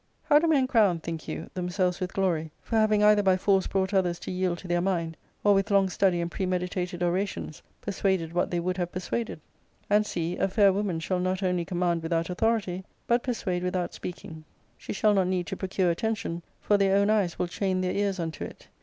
How do men crown, think you, themselves with glory, for having either by force brought others to yield to their mind, or, with long study and premeditated orations, persuaded what they would have persuaded ? And see, a fair woman shall not only command without authority, but persuade without speaking. ^She shall not need to procure ARCADIA,— Book III, 279 attention, for their own eyes will chain their ears unto it.